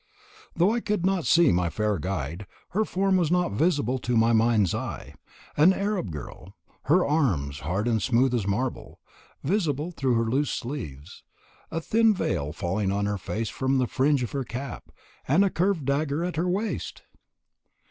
Though I could not see my fair guide, her form was not invisible to my mind's eye, an Arab girl, her arms, hard and smooth as marble, visible through her loose sleeves, a thin veil falling on her face from the fringe of her cap, and a curved dagger at her waist!